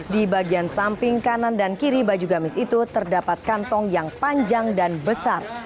di bagian samping kanan dan kiri baju gamis itu terdapat kantong yang panjang dan besar